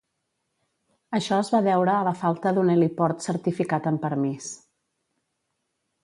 Això es va deure a la falta d'un heliport certificat amb permís.